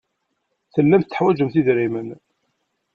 Tellamt teḥwajemt idrimen.